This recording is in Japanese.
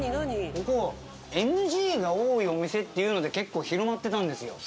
ここＮＧが多いお店っていうので結構広まってたんですよ。